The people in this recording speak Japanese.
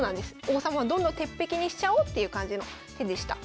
王様をどんどん鉄壁にしちゃおうっていう感じの手でした。